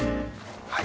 はい。